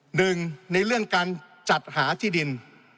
หนึ่งในเรื่องการจัดหาที่ดิน